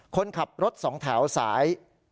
คนขับรถ๒แถวสาย